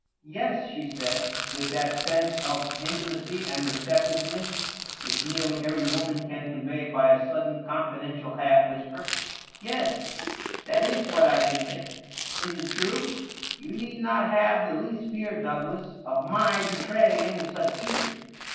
" 1 es," she said, with that sense of intimacy and receptiveness which nearly every woman can convey by a sudden confidential half whisper. "Yes — ^that is what I did think. Is it true? .. You need not have the least fear, Douglas, of my betraying any such secret.